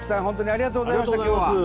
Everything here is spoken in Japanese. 本当にありがとうございました今日は。